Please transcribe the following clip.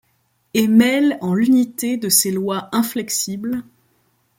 Et mêle, en l’unité de ses lois inflexibles ;